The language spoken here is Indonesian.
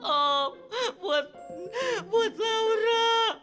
om buat laura